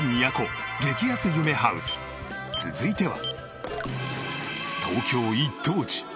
続いては。